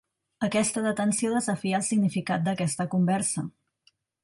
Aquesta detenció desafia el significat d’aquesta conversa.